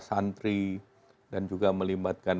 santri dan juga melibatkan